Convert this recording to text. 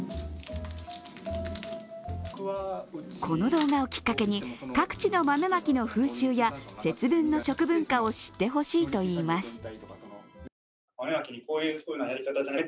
この動画をきっかけに、各地の豆まきの風習や節分の食文化を知ってほしいといいます。